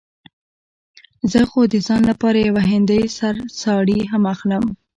زه خو د ځان لپاره يوه هندۍ سره ساړي هم اخلم.